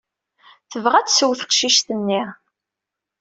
Tebɣa ad tsew teqcict-nni.